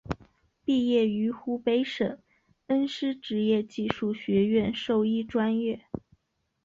毕业于湖北省恩施职业技术学院兽医专业。